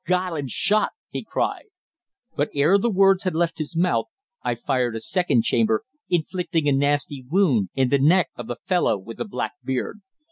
"God! I'm shot!" he cried. But ere the words had left his mouth I fired a second chamber, inflicting a nasty wound in the neck of the fellow with the black beard.